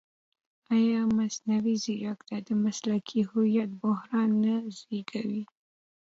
ایا مصنوعي ځیرکتیا د مسلکي هویت بحران نه زېږوي؟